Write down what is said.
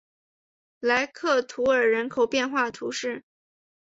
莱克图尔人口变化图示